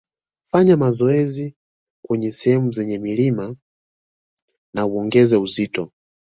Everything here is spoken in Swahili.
Fanya mazoezi kwenye sehemu zenye milima na uongeze uzito